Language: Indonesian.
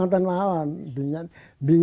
itu adalah kalimawang